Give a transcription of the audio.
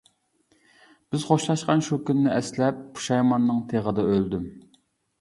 بىز خوشلاشقان شۇ كۈننى ئەسلەپ، پۇشايماننىڭ تېغىدا ئۆلدۈم.